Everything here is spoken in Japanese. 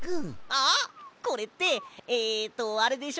あっこれってえとあれでしょ？